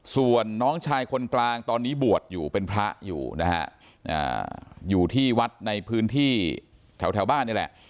ส่วนน้องชายคนกลางตอนนี้บวชอยู่เป็นพระอยู่นะฮะอยู่ที่วัดในพื้นที่แถวบ้านนี่แหละ